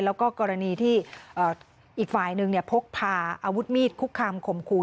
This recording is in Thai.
แล้วก็กรณีที่อีกฝ่ายหนึ่งพกพาอาวุธมีดคุกคามข่มขู่